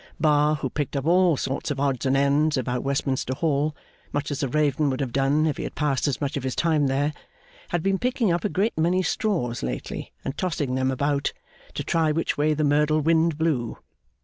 Bar, who picked up all sorts of odds and ends about Westminster Hall, much as a raven would have done if he had passed as much of his time there, had been picking up a great many straws lately and tossing them about, to try which way the Merdle wind blew.